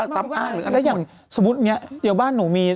สมมุติอย่างหากบ้านหนูมี